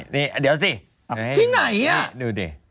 นี่เดี๋ยวสิที่ไหนอ่ะดูดิ